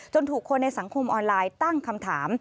ถูกคนในสังคมออนไลน์ตั้งคำถาม